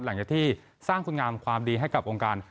หลังจากที่สร้างคุณงามความดีให้กับวงการ